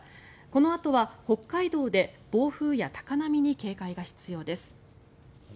このあとは北海道で暴風や高波に警戒が必要です。